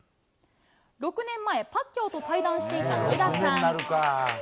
６年前、パッキャオと対談していた上田さん。